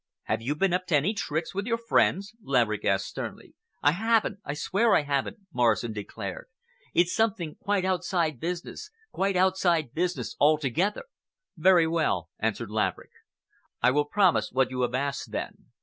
"Have you been up to any tricks with your friends?" Laverick asked sternly. "I haven't—I swear that I haven't," Morrison declared. "It's something quite outside business—quite outside business altogether." "Very well," answered Laverick, "I will promise what you have asked, then.